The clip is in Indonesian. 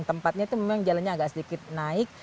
tempatnya itu memang jalannya agak sedikit naik